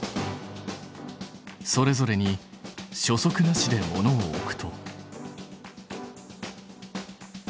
それぞれに初速なしで物を置くと。